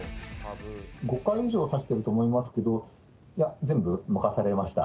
５回以上指していると思いますけれども、全部負かされました。